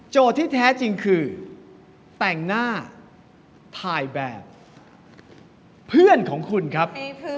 ที่แท้จริงคือแต่งหน้าถ่ายแบบเพื่อนของคุณครับ